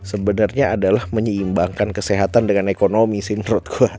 sebenernya adalah menyeimbangkan kesehatan dengan ekonomi sih menurut gua